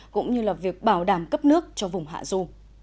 cũng như việc bảo đảm cấp nước cho vùng hạ rù